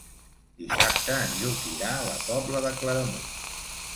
Dissabte en Lluc irà a la Pobla de Claramunt.